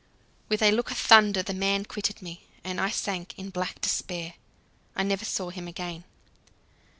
With a look of thunder the man quitted me, and I sank in black despair. I never saw him again.